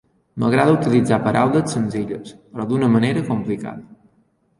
M'agrada utilitzar paraules senzilles, però d'una manera complicada.